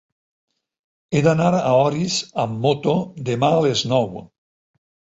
He d'anar a Orís amb moto demà a les nou.